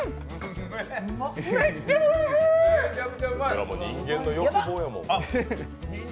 そりゃ人間の欲望やもん。